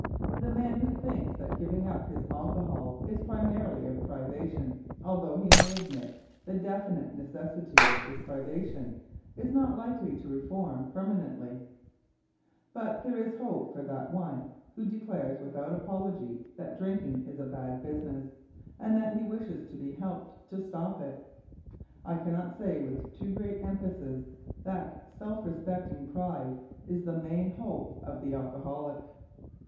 The man who thinks that giving up his alcohol is primarily a privation, although he may admit the definite necessity of this privation, is not likely to reform permanently; but there is hope for that one who declares without apology that drinking is a bad business and that he wishes to be helped to stop it. I cannot say with too great emphasis that self respecting pride is the main hope of the alcoholic.